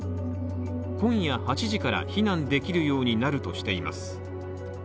今夜８時から避難できるようになるとしています。